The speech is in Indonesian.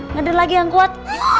ngeder lagi yang kuat